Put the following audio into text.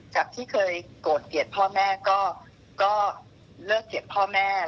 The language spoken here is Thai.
จากที่เคยโกรธเกลียดพ่อแม่ก็เลิกเกลียดพ่อแม่